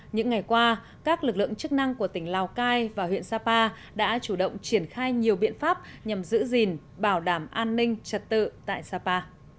những ngày qua các lực lượng chức năng của tỉnh lào cai và huyện sapa đã chủ động triển khai nhiều biện pháp nhằm giữ gìn bảo đảm an ninh trật tự tại sapa